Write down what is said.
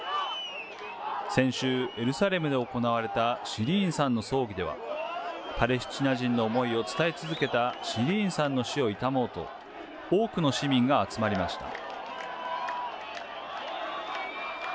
先週、エルサレムで行われたシリーンさんの葬儀では、パレスチナ人の思いを伝え続けたシリーンさんの死を悼もうと、多くの市民が集まりました。